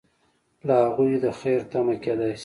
له هغوی د خیر تمه کیدای شي.